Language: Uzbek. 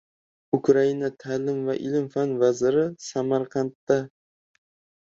Ukraina ta’lim va ilm-fan vaziri Samarqandda